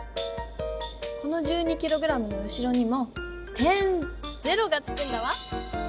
この１２ｋｇの後ろにも「点０」がつくんだわ。